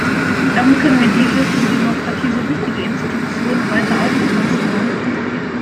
Damit können wir diese für die Demokratie so wichtige Institution weiter auf- und ausbauen.